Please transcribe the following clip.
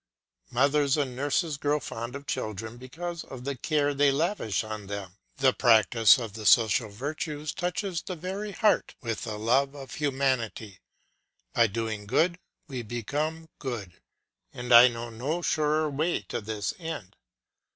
Mothers and nurses grow fond of children because of the care they lavish on them; the practice of social virtues touches the very heart with the love of humanity; by doing good we become good; and I know no surer way to this end.